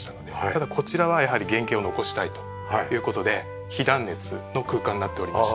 ただこちらはやはり原型を残したいという事で非断熱の空間になっておりまして。